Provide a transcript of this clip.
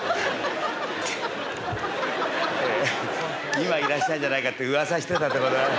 今いらっしゃるんじゃないかってうわさしてたんでございます。